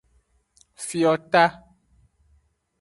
Fiota.